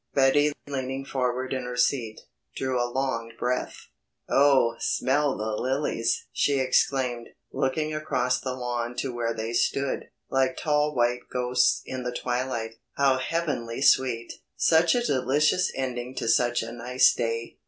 Betty, leaning forward in her seat, drew a long breath. "Oh, smell the lilies!" she exclaimed, looking across the lawn to where they stood, like tall white ghosts in the twilight. "How heavenly sweet! Such a delicious ending to such a nice day.